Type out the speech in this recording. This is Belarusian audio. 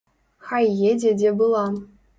Хай едзе, дзе была.